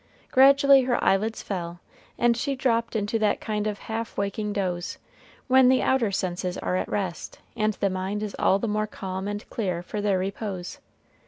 Gradually her eyelids fell, and she dropped into that kind of half waking doze, when the outer senses are at rest, and the mind is all the more calm and clear for their repose.